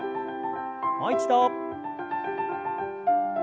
もう一度。